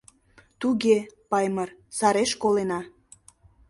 Туге, Паймыр, сареш колена!